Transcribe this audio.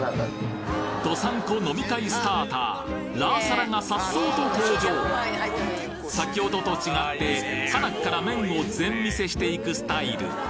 道産子飲み会スターターラーサラが颯爽と登場先ほどと違ってはなっから麺を全見せしていくスタイル